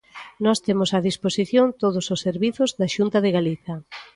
Nós temos á disposición todos os servizos da Xunta de Galicia.